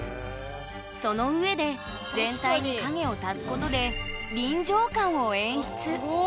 そのうえで全体に影を足すことで臨場感を演出すご。